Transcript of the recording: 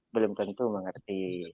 belum tentu mengerti